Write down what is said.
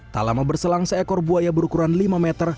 tak lama berselang seekor buaya berukuran lima meter